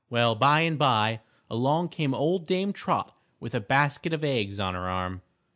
Well, by and by, along came old Dame Trot with a basket of eggs on her arm.